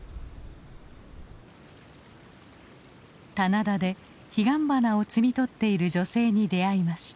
棚田でヒガンバナを摘み取っている女性に出会いました。